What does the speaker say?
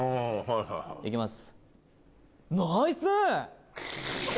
行きます。